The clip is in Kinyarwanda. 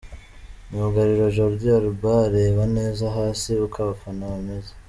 Myugariro Jordi Alba areba neza hasi uko abafana bameze.